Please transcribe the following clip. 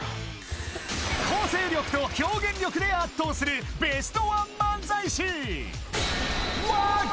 構成力と表現力で圧倒するベストワン漫才師！